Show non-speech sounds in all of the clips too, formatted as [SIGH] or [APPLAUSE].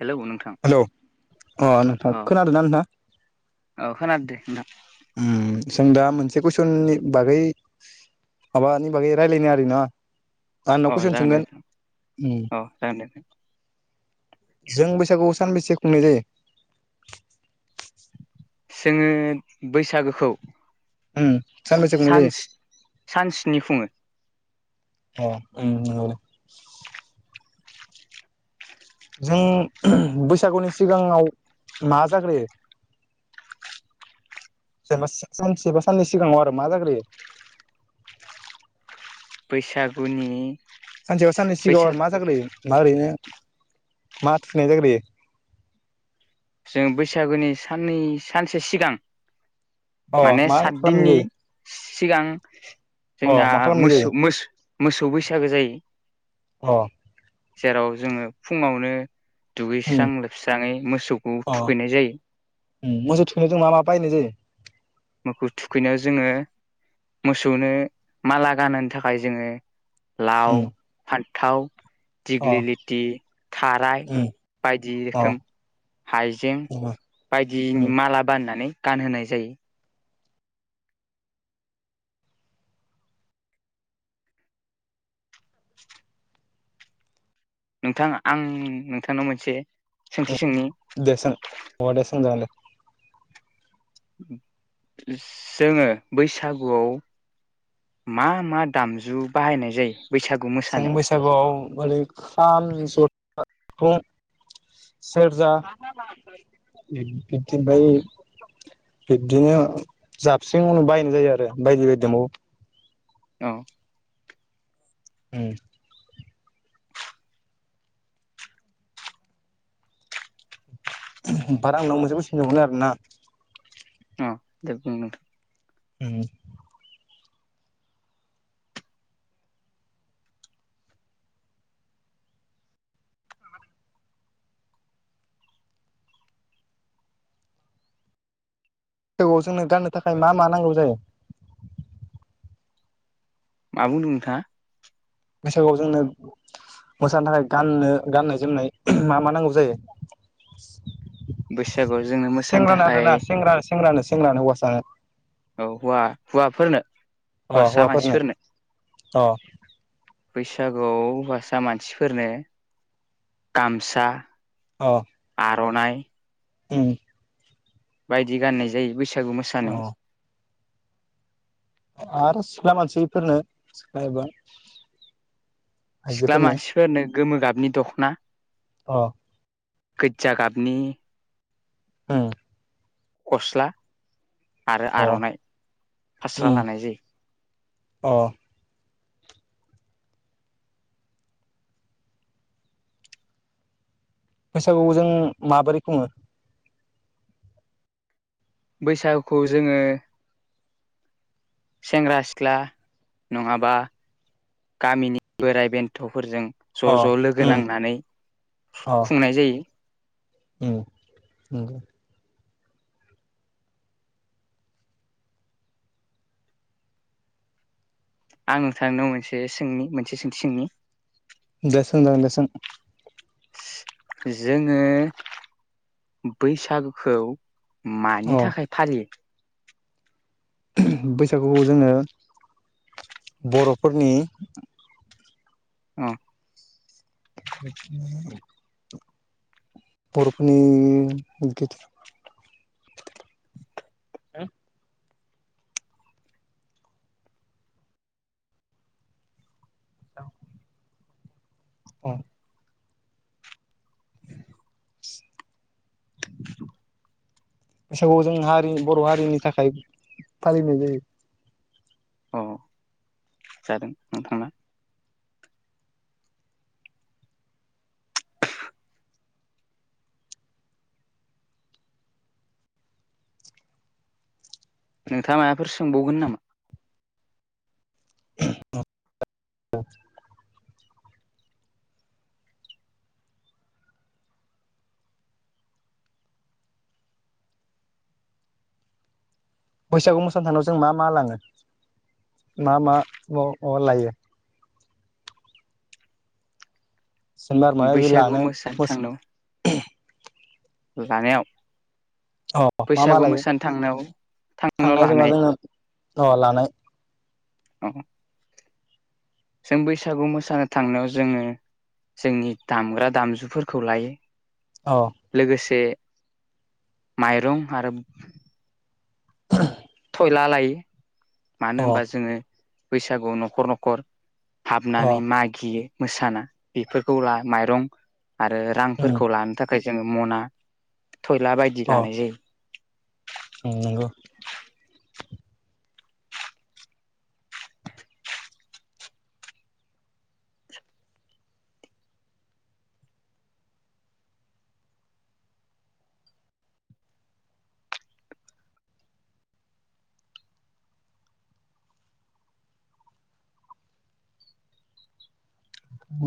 Hello नोंथां hello अ नोंथां खोनादों ना नोंथां? औ खोनादों दे नोंथां हम जों दा मोनसे कुइसननि बागै आबा नि बागै रायलायनि आरो ना? आं नोंखौ अ कुइसन जागोन दे सोंगोन नोंथां अ जागोन दे जों बैसागु सानबेसे खुंनाय जायो। जोङो बैसागोखौ उम सानबेसे खुंनाय जायो? सान्स सान स्नि खुङो। अ ओम नंगौ दे। जों बैसागुनि सिगाङाव मा जाग्रोयो? सोरबा सानसेबा साननै सिगाङाव आरो मा जाग्रोयो? [INAUDIBLE] बैसागुनि सानसेयाव साननै सिगाङाव बैसाग आरो मा जाग्लोयो मा ओरैनो मा थुनाय जाग्रोयो? जों बैसागुनि साननै सानसे सिगां अ माने मा सात खालामनाय दिननि जायो सिगां अ जोंना मा खालामनाय जायो मोसौ मोस मोसौ बैसागो जायो। अ जेराव जोङो फुङावनो उम दुगैस्रां लोबस्राङै मोसौ अ थुखैनाय जायो। मोसौ थुखैनायाव जों मा मा बाहायनाय जायो? मोखौ थुखैनायाव जोङो मोसौनो माला गानहोनो थाखाय जोङो लाव, उम फान्थाव अ दिग्लि लथि थाराय उम बायदि अ रोखोम हाइजें बायदिनि दे माला बानायनानै गानहोनाय जायो। नोंथां आं नोंथांनाव मोनसे सोंथि अ सोंनि दे सों‌ अ दे सोंजागोनदे। जोङो बैसागुआव मा मा दामजु बाहायनाय जायो? बैसागु जों मोसानायाव बैसागुआव [UNINTELLIGIBLE] खाल ज [UNINTELLIGIBLE] फुं, सेरजा उम। [UNINTELLIGIBLE] बिब्दिनो जाबस्रिं उनु बायनाय जायो आरो बायदि बायदि दंबावो। औ। उम। बार आंनाव मोनसे कुइसन दंमोन आरो ना। अ दे बुं नोंथां। उम। औ जोंनो गाननो थाखाय मा मा नांगौ जायो? मा बुंदोमोन नोंथाङा? बैसागुआव जोंनो मोसानो थाखाय गाननो गाननाय जोमनाय मा मा नांगौ जायो? बैसागुआव जोंनो मोसानो सेंग्रानो आरो थाखाय ना सेंग्रानो सेंग्रानो सेंग्रानो हौवासानो औ हुवा हुवाफोरनो अ हौवाफोरनो अ बैसागुआव हौवासा मानसिफोरनो गामसा आर'नाय उम। बायदि गाननाय जायो बैसागु अ मोसानायाव। आरो सिख्ला मानसिफोरनो सिख्ला एबा सिख्ला आइजोफोरनो मानसिफोरनो गोमो गाबनि दख'ना। अ। गोजजा गाबनि उम। गस्ला आरो अ आर'नाइ फास्रा उम लानाय जायो। अ। बैसागु जों माबोरै खुङो? बैसागुखौ जोङो सेंग्रा सिख्ला नङाबा गामिनि बोराइ बेन्थ'फोरजों ज' अ ज' लोगो उम नांनानै अ खुंनाय जायो। उम नंगौ। आं नोंथांनाव मोनसे सोंनि मोनसे सोंथि सोंनि। दे सोंजागोन दे सों। जोङो बैसागुखौ अ मानि थाखाय फालियो? बैसागुखौ जोङो बर'फोरनि अ। [INAUDIBLE] बर'फोरनि [UNINTELLIGIBLE] [UNINTELLIGIBLE] औ। अ। [INAUDIBLE] बैसागुआव जों हारि बर' हारिनि थाखाय फालिनाय जायो। औ जादों नोंथांना। नोंथाङा मायबाफोर सोंबावगोन नामा? [UNINTELLIGIBLE] बैसागु मोसानो थांनायाव जों मा मा लांङो मा मा अ अ लायो? सिनबार मायबा मायबि बैसागु लानो मोसानो थांनायाव [UNINTELLIGIBLE] लानायाव अ मा मा बैसागु लायो मोसानो थांनायाव थांनायाव जोंहा जोंङो‌ अ लानाय ओं जों बैसागु मोसानो थांनायाव जोङो जोंनि दामग्रा दामजुफोरखौ लायो। अ लोगोसे माइरं आरो [UNINTELLIGIBLE] थयला लायो मानो अ होनबा जोंङो बैसागुआव न'खर न'खर हाबनानै अ मागियो मोसाना बेफोरखौ ला माइरं आरो उम रांफोरखौ लानो थाखाय जोंङो मना थयला बायदि अ लानाय जायो। उम नंगौ।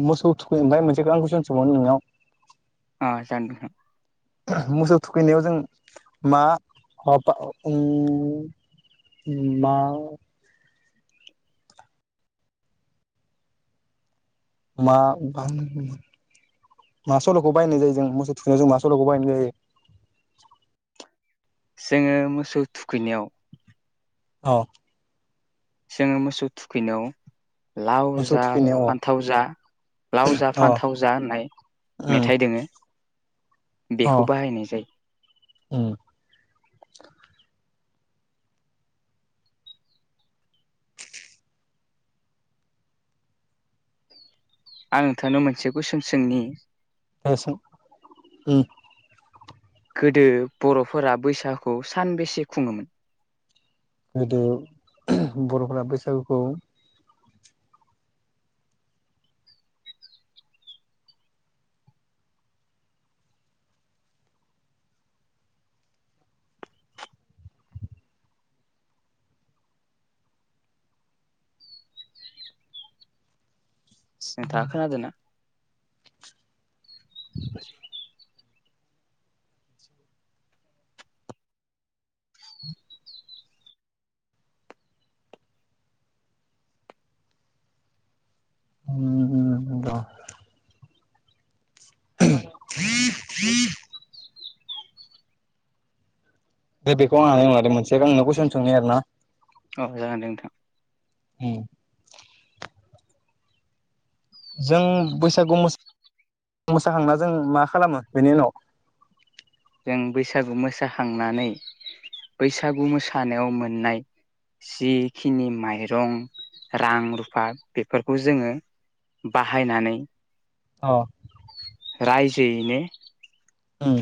मोसौ थुखै ओफाय मोनसेखौ आं कुइसन सोंबावनि नोंनाव ओं जागोन नोंथां। मोसौ थुखैनायाव जों मा अ बा उम उम मा माबा होनोमोन मा सल'खौ बाहायनाय जायो जों मोसौ थुखैनायाव जों मा सल'खौ बाहायनाय जायो? जोंङो मोसौ थुखैनायाव अ। जोंङो मोसौ थुखैनायाव लाव मोसौ जा थुखैनायाव फान्थाव जा लाव जा अ फान्थाव जा होननाय अ उम मेथाइ दोंङो अ बेखौ बाहायनाय जायो। उम। आं नोंथांनो मोनसे कुइसन सोंनि। दे सों उम। गोदो बर'फोरा बैसागखौ सानबेसे खुंङोमोन? गोदो बर'फोरा बैसागुखौ नोंथांङा खोनादो ना? [UNINTELLIGIBLE] उम र' [UNINTELLIGIBLE] दे बेखौ आं हानाय नंलादे मोनसेबाव आं नोंनाव कुइसन सोंनि आरो ना। अ जागोन दे नोंथां। उम। जों बैसागु मो मोसाखांना जों मा खालामो बेनि उनाव? जों बैसागु मोसाखांनानै बैसागु मोसानायाव मोन्नाय जिखिनि माइरं रां रुफा बेफोरखौ जोंङो बाहायनानै अ। राइजोयैनो उम।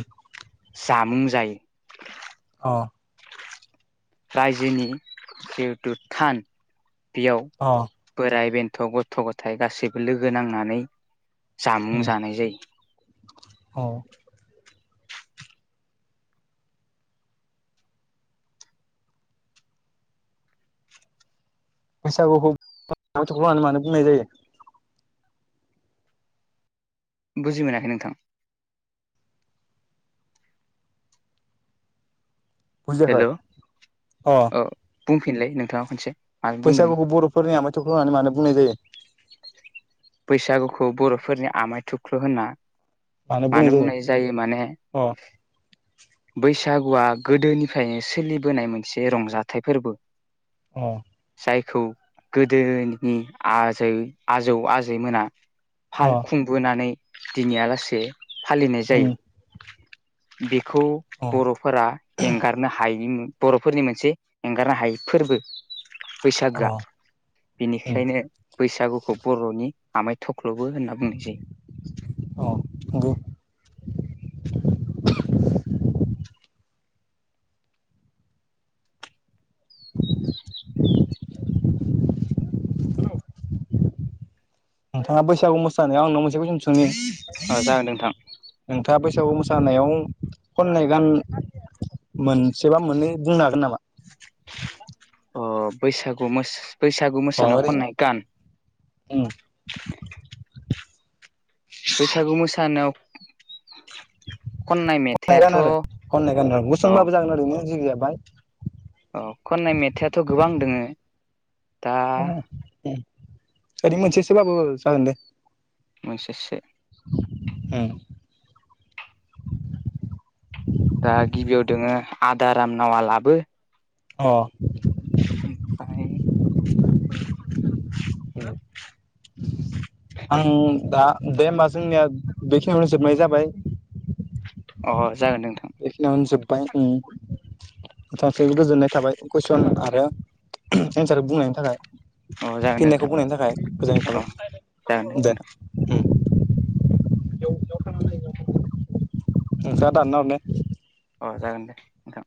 जामुं जायो। अ। रायजोनि जिहेथु थान बेयाव अ बोराय बे थ' गथ' गथाइ गासैबो लोगो नांनानै जामुं जानाय जायो। औ। बैसागुखौ [UNINTELLIGIBLE] होननानै मानो बुंनाय जायो? बुजि मोनाखै नोंथां। बुजियाखै हेल' अ ओ बुंफिनलाय नोंथाङा खनसे मा बुंदोंमोन बैसागुखौ बर'फोरनि आमाथख' होननानै मानो बुंनाय जायो? बैसागुखौ बर'फोरनि आमाय थुख्लु होनना मानो बुंनाय जायो माने अ बैसागुआ गोदोनिफायनो सोलिबोनाय मोनसे रंजाथाइ फोरबो अ जायखौ गोदोनि आजै आजौ आजैमोना अ फाल खुंबोनानै दिनैया लासे फालिनाय उम जायो बेख खौ अ बर'फोरा एंगारनो हायिनिमो बर'फोरनि मोनसे एंगारनो हायै फोरबो अ बैसागोआ उम बिनिखायनो बैसागुखौ बर'नि आमाय थख ख्ल'बो होनना बुंनाय जायो। अ नंगौ नोंथाङा बैसागु मोसानायाव आं नोंनाव मोनसे कुइसन सोंनि? ओ जागोन नोंथां नोंथाङा बैस सागु मोसानायाव खननाय गान मोनसेबा मोननै बुंनो हागोन नामा अ बैसागु मोस बैसागु अ मोसानायाव ओरैनो खननाय गान उम बैसागु मोसानायाव खननाय खन्नाय मेथाइआथ' गान आरो औ खननाय गाना गुसुंबाबो जागोन ओरैनो जिगि जाया बाय औ खननाय मेथाइआथ' गोबां दोङो दा [UNINTELLIGIBLE] ओरैनो मोनसेसो बाबो जागोन दे मोनसे सो उम दा गिबियाव दोङो आदाराम नावआ लाबो अ ओमफाय [UNINTELLIGIBLE] आं दा दे ओमबा जोंनिया बेखिनियावनो जोबनाय जाबाय अ जागोन नों बेखिनावनो जोबबाय उम [UNINTELLIGIBLE] गोजोननाय थाबाय कुइसन आरो एन्सार बुंनायनि थाखाय अ जागोन दे फिनायखौ नोंथां बुंनायनि थाखाय गोजोननाय अ जागोन थाबाय दे नोंथां उम [UNINTELLIGIBLE] नोंथांआ दानना हरनाय अ जागोन दे नोंथां